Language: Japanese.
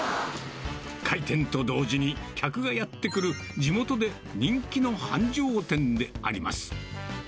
開店と同時に客がやって来る、地元で人気の繁盛店であります。